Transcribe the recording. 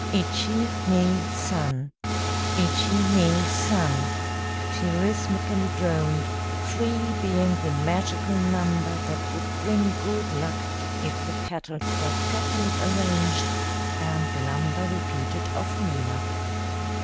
"Ichi, ni, san, ichi, ni, san," she rhythmically droned, three being the magical number that would bring good luck if the petals were properly arranged and the number repeated often enough.